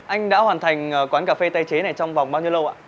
anh đã hoàn thành quán cà phê tái chế này trong vòng bao nhiêu lâu ạ